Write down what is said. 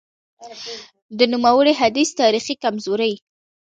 د نوموړي حدیث تاریخي کمزوري :